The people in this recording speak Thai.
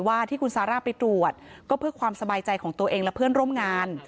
ที่คุณซาร่าไปตรวจก็เพื่อความสบายใจของตัวเองและเพื่อนร่วมงาน